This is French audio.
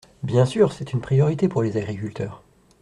Bien sûr ! C’est une priorité pour les agriculteurs.